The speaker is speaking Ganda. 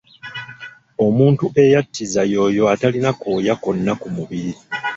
Omuntu eyattiza y’oyo atalina kooya konna ku mubiri.